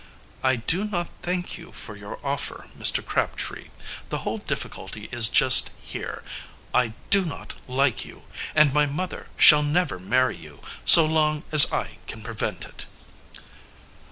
"I do not thank you for your offer, Mr. Crabtree. The whole difficulty is just here I do not like you; and my mother shall never marry you so long as I can prevent it."